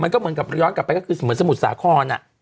มันก็เหมือนกับย้อนกลับไปก็คือเหมือนเสมอเสมอสาขอน